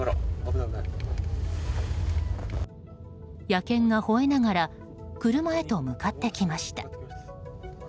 野犬がほえながら車へと向かってきました。